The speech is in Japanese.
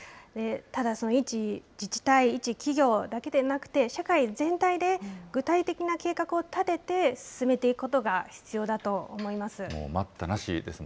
ただ、一自治体、一企業だけではなくて、社会全体で具体的な計画を立てて、進めていくことが必要だと思います。